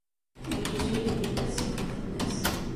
Anda ay yeǧǧa Yidir tasiwant-nnes?